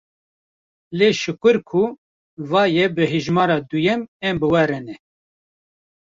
Lê şikur ku va ye bi hejmera duyem em bi we re ne.